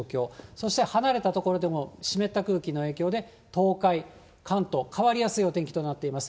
そして離れた所でも湿った空気の影響で、東海、関東、変わりやすいお天気となっています。